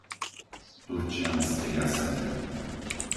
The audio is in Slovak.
Turčianske Jaseno